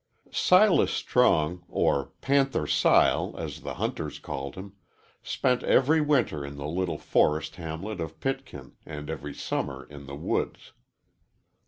IV SILAS STRONG, or "Panther Sile," as the hunters called him, spent every winter in the little forest hamlet of Pitkin and every summer in the woods.